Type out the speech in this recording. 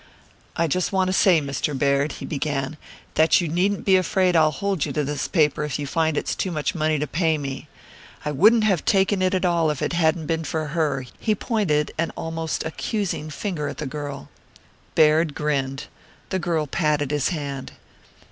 "I just want to say, Mr. Baird," he began, "that you needn't be afraid I'll hold you to this paper if you find it's too much money to pay me. I wouldn't have taken it at all if it hadn't been for her." He pointed an almost accusing finger at the girl. Baird grinned; the girl patted his hand.